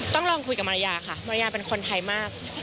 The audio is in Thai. ต้องลองคุยกับมารยาค่ะมารยาเป็นคนไทยมาก